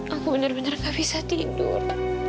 aku benar benar gak bisa tidur